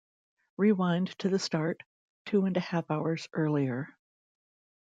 Rewind to the start, two and a half hours earlier.